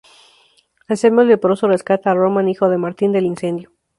Anselmo el leproso rescata a Román, hijo de Martín, del incendio.